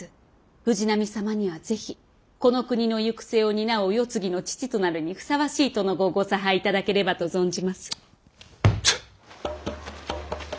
藤波様にはぜひこの国の行く末を担うお世継ぎの父となるにふさわしい殿御をご差配頂ければと存じます。